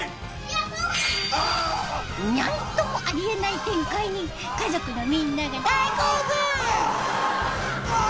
ニャンともあり得ない展開に家族のみんなが大興奮！